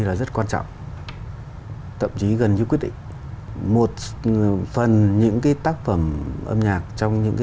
là rất quan trọng tậm chí gần như quyết định một phần những cái tác phẩm âm nhạc trong những cái